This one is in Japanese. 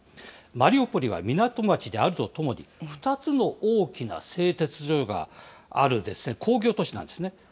マリウポリは港町であるとともに、２つの大きな製鉄所がある工業都市なんですね。